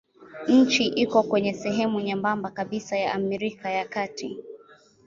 Nchi iko kwenye sehemu nyembamba kabisa ya Amerika ya Kati.